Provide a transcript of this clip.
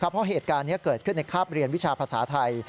เพราะเหตุการณ์นี้เกิดขึ้นในคาบเรียนวิชาภาษาไทย